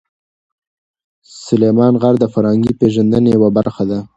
سلیمان غر د فرهنګي پیژندنې یوه برخه ده.